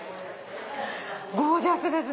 ゴージャスですね！